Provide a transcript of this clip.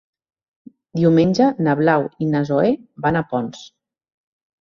Diumenge na Blau i na Zoè van a Ponts.